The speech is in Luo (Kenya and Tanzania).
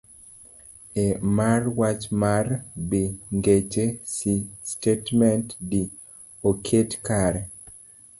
A. mar Wach mar B. Ngeche C. Statement D. oket kare